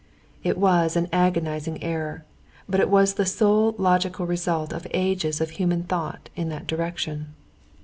It was an agonizing error, but it was the sole logical result of ages of human thought in that direction.